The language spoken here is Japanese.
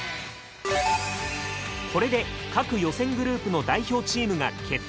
これで各予選グループの代表チームが決定。